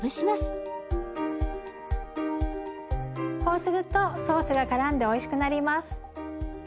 こうするとソースがからんでおいしくなります。